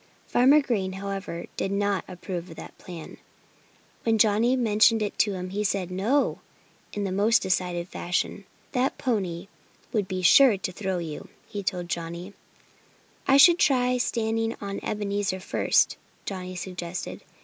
Farmer Green, however, did not approve of that plan. When Johnnie mentioned it to him he said "No!" in a most decided fashion. "That pony would be sure to throw you," he told Johnnie. "I could try standing on Ebenezer first," Johnnie suggested.